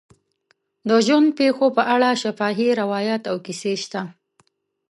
د ژوند پېښو په اړه شفاهي روایات او کیسې شته.